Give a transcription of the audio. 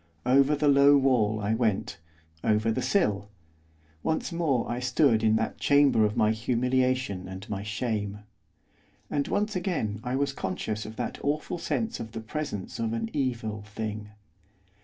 Over the low wall I went, over the sill, once more I stood in that chamber of my humiliation and my shame. And once again I was conscious of that awful sense of the presence of an evil thing.